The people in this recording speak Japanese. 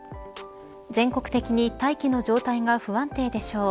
全国的に大気の状態が不安定でしょう。